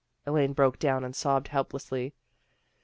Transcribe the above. Elaine broke down and sobbed helplessly.